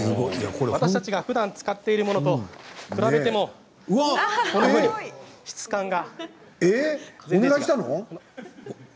私たちがふだん使っているものと比べても質感が。